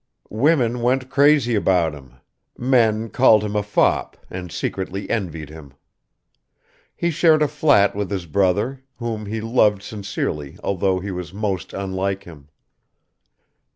Women went crazy about him, men called him a fop and secretly envied him. He shared a flat with his brother, whom he loved sincerely although he was most unlike him.